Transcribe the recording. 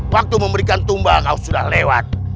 waktu memberikan tumbal kau sudah lewat